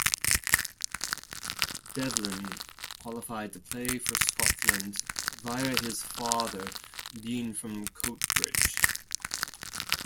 Devlin qualified to play for Scotland via his father being from Coatbridge.